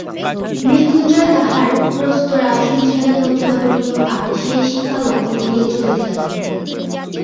মৃত্যুঞ্জয় তাহার প্রস্তরাসন ছাড়িয়া উঠিয়া পড়িল আর সেই শিখা লক্ষ্য করিয়া চলিতে লাগিল।